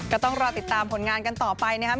ก็ต้องรอติดตามผลงานกันต่อไปนะครับ